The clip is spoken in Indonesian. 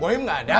bohim tidak ada